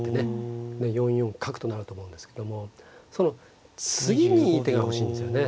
４四角となると思うんですけどもその次にいい手が欲しいんですよね。